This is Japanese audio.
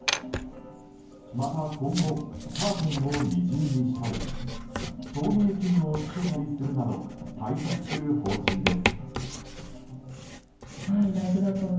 また今後カーテンを二重にしたり照明器具をつけたりするなど対策する方針です。